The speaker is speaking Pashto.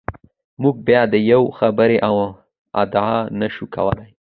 موږ بیا د یوې خبرې ادعا نشو کولای.